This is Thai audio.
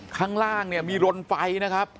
ข้างล่างมีรนไฟนะครับ